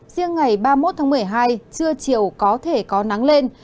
riêng ngày ba mươi một tháng một mươi hai trưa chiều có thể có nắng lên